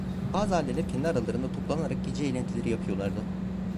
Bazı aileler kendi aralarında toplanarak gece eğlentileri yapıyorlardı.